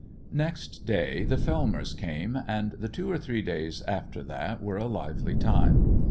Next day the Fellmers came, and the two or three days after that were a lively time.